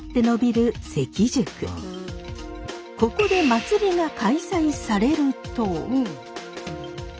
ここで祭りが開催されると。